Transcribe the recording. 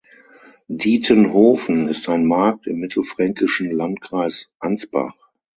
Dietenhofen ist ein Markt im mittelfränkischen Landkreis Ansbach.